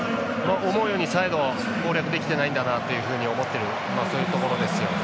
思うようにサイドを攻略できていないんだなと思ってるというところですよね。